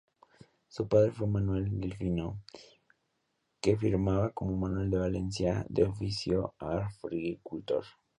Su padre fue Manuel Delfino, que firmaba como Manuel de Valencia, de oficio agricultor.